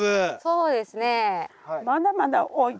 そうですね。